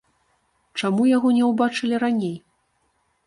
Чаму яго не ўбачылі раней?